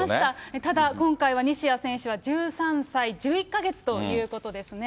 ただ今回は、西矢選手は１３歳１１か月ということですね。